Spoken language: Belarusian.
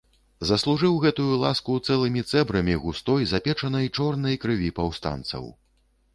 Заслужыў гэтую ласку цэлымі цэбрамі густой, запечанай, чорнай крыві паўстанцаў.